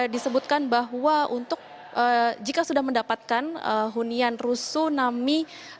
disebutkan bahwa untuk jika sudah mendapatkan hunian rusuh nami